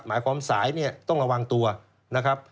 หมายความสายเนี่ยต้องระวังตัวนะครับ